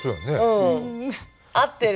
うん合ってる。